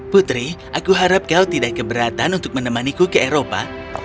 putri aku harap kau tidak keberatan untuk menemaniku ke eropa